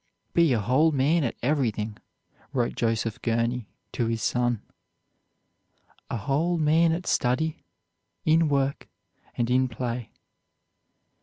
"Be a whole man at everything," wrote Joseph Gurney to his son, "a whole man at study, in work, and in play."